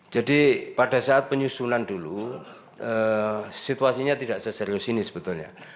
jadi pada saat penyusunan dulu situasinya tidak seserius ini sebetulnya